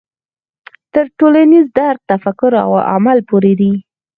تر ټولنیز درک تفکر او عمل پورې دی.